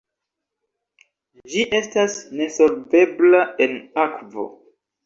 Ĝi estas nesolvebla en akvo.